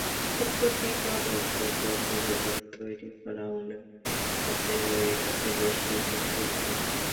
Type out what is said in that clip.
সম্প্রতি তদন্ত প্রতিবেদন তৈরি করা হলেও তাতে রয়ে গেছে বেশ কিছু ত্রুটি।